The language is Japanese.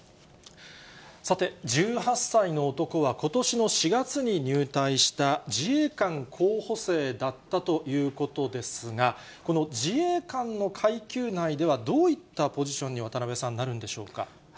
さて、１８歳の男はことしの４月に入隊した自衛官候補生だったということですが、この自衛官の階級内では、どういったポジションに渡部さん、なるんでしょうか。